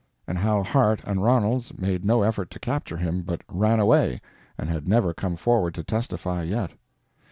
and how Hart and Ronalds made no effort to capture him, but ran away, and had never come forward to testify yet.